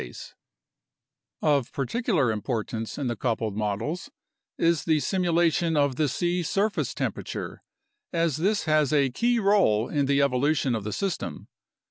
A NATIONAL CLIMATIC RESEARCH PROGRAM 85 Of particular importance in the coupled models is the simulation of the sea surface temperature, as this has a key role in the evolution of the system.